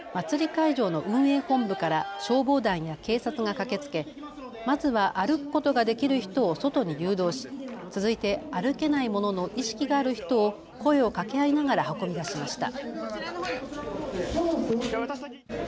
会場の運営本部から消防団や警察が駆けつけ、まずは歩くことができる人を外に誘導し続いて歩けないものの意識がある人を声をかけ合いながら運び出しました。